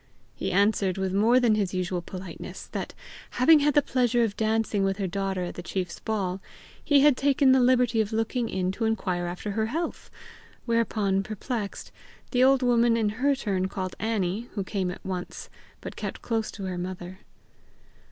He answered, with more than his usual politeness, that, having had the pleasure of dancing with her daughter at the chief's hall, he had taken the liberty of looking in to inquire after her health; whereupon, perplexed, the old woman in her turn called Annie, who came at once, but kept close to her mother.